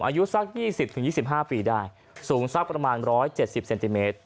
อายุสัก๒๐๒๕ปีได้สูงสักประมาณ๑๗๐เซนติเมตร